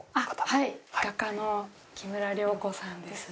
画家の木村了子さんです。